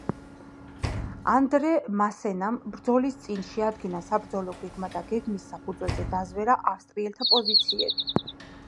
ანდრე მასენამ ბრძოლის წინ შეადგინა საბრძოლო გეგმა და გეგმის საფუძველზე დაზვერა ავსტრიელთა პოზიციები.